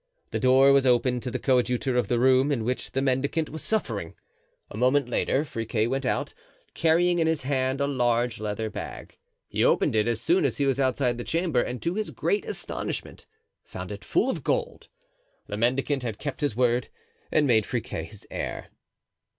The door was opened to the coadjutor of the room in which the mendicant was suffering. A moment later Friquet went out, carrying in his hand a large leather bag; he opened it as soon as he was outside the chamber and to his great astonishment found it full of gold. The mendicant had kept his word and made Friquet his heir.